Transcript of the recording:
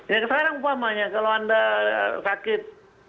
yang kesalahan utamanya kalau anda sakit